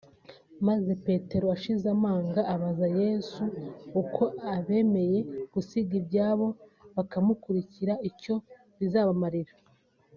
maze Petero ashize amanga abaza Yesu uko abemeye gusiga ibyabo bakamukurikira icyo bizabamarira